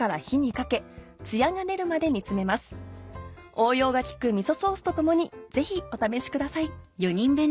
応用が利くみそソースと共にぜひお試しください。